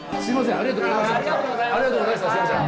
ありがとうございます。